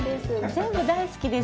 全部大好きです。